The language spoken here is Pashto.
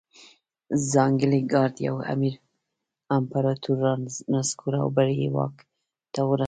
ځانګړي ګارډ یو امپرتور رانسکور او بل یې واک ته رساوه.